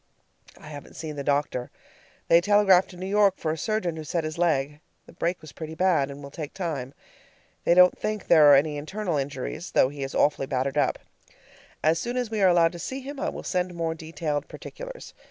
I haven't seen the doctor. They telegraphed to New York for a surgeon, who set his leg. The break was pretty bad, and will take time. They don't think there are any internal injuries, though he is awfully battered up. As soon as we are allowed to see him I will send more detailed particulars.